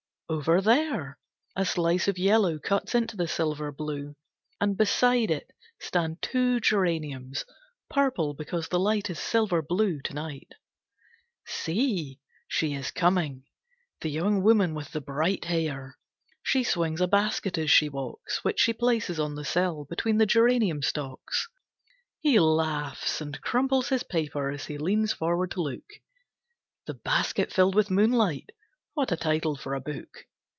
Over there, a slice of yellow cuts into the silver blue, and beside it stand two geraniums, purple because the light is silver blue, to night. See! She is coming, the young woman with the bright hair. She swings a basket as she walks, which she places on the sill, between the geranium stalks. He laughs, and crumples his paper as he leans forward to look. "The Basket Filled with Moonlight", what a title for a book!